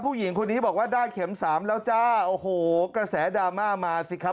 ผู้หญิงคนนี้บอกว่าได้เข็มสามแล้วจ้าโอ้โหกระแสดราม่ามาสิครับ